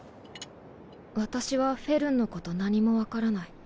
私はフェルンのこと何も分からない。